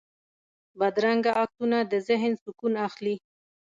بدرنګه عکسونه د ذهن سکون اخلي